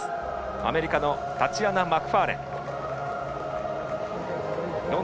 アメリカのタチアナ・マクファーデン。